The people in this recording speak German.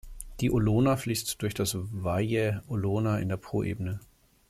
Die Olona fließt durch das Valle Olona in der Poebene.